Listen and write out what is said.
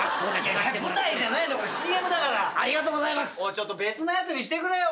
ちょっと別なやつにしてくれよこれ。